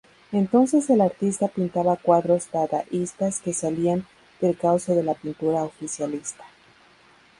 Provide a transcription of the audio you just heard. Entonces el artista pintaba cuadros dadaístas que salían del cauce de la pintura oficialista.